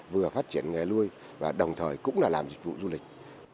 vừa phát triển nghề nuôi và đồng thời cũng là làm dịch vụ du lịch